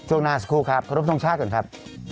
ช่วงนานครับขอรบทรงชาติก่อนครับ